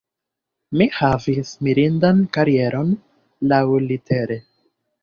Mi havis mirindan karieron laŭlitere.